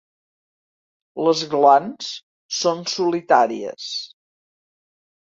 Les glans són solitàries.